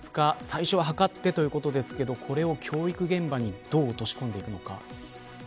最初ははかってということですけど、これを教育現場にどう落とし込んでいくのか。